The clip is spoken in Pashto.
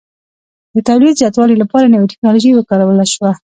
د تولید زیاتوالي لپاره نوې ټکنالوژي وکارول شوه